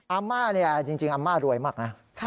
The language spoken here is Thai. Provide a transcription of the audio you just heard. อาม่าเนี่ยจริงอาม่ารวยมากนะ